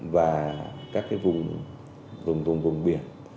và các cái vùng vùng vùng biển